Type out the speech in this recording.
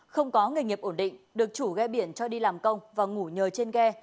không có nghề nghiệp ổn định được chủ ghe biển cho đi làm công và ngủ nhờ trên ghe